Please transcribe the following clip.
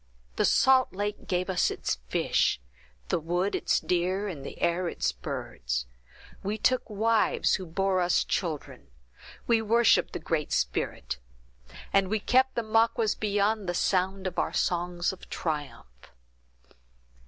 The salt lake gave us its fish, the wood its deer, and the air its birds. We took wives who bore us children; we worshipped the Great Spirit; and we kept the Maquas beyond the sound of our songs of triumph."